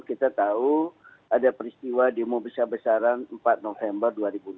kita tahu ada peristiwa demo besar besaran empat november dua ribu dua puluh